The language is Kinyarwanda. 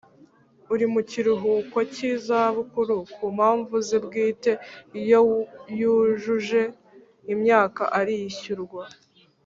Uri mu kiruhuko cy’izabukuru ku mpamvu ze bwite iyo yujuje imyaka arishyurwa